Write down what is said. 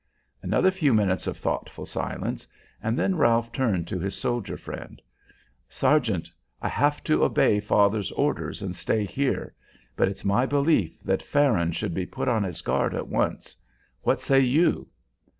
Another few minutes of thoughtful silence, then Ralph turned to his soldier friend, "Sergeant, I have to obey father's orders and stay here, but it's my belief that Farron should be put on his guard at once. What say you?"